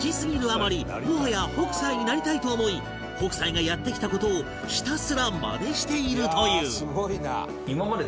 もはや北斎になりたいと思い北斎がやってきた事をひたすらマネしているという